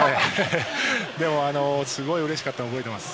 でも、すごいうれしかったの覚えてます。